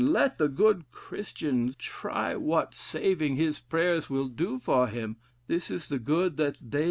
let the good Christian try what saving his prayers will do for him: this is the good that they'!!